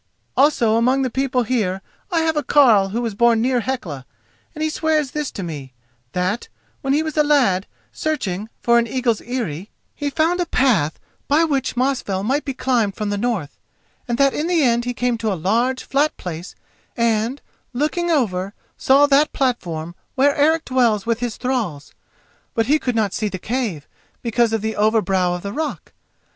Also among the people here I have a carle who was born near Hecla, and he swears this to me, that, when he was a lad, searching for an eagle's eyrie, he found a path by which Mosfell might be climbed from the north, and that in the end he came to a large flat place, and, looking over, saw that platform where Eric dwells with his thralls. But he could not see the cave, because of the overhanging brow of the rock.